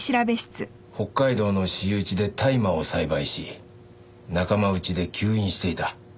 北海道の私有地で大麻を栽培し仲間内で吸引していた。